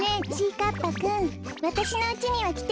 かっぱくんわたしのうちにはきてないわよね。